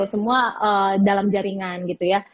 semua dalam jaringan gitu ya